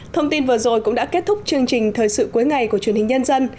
thông tin vừa rồi cũng đã kết thúc chương trình thời sự cuối ngày của truyền hình nhân dân